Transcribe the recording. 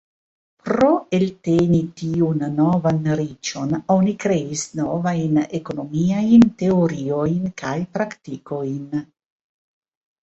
Pro elteni tiun novan riĉon, oni kreis novajn ekonomiajn teoriojn kaj praktikojn.